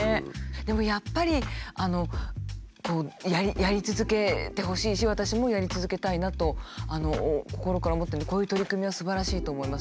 でもやっぱりやり続けてほしいし私もやり続けたいなと心から思ってるんでこういう取り組みはすばらしいと思います。